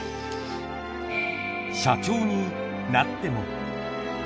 社長になっても。